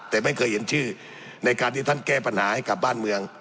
แต่ไม่เคยเห็นชื่อในการที่ท่านแก้ปัญหาให้กับบ้านเมือง